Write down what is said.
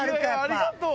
ありがとう。